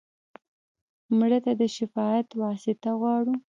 مړه ته د شفاعت واسطه غواړو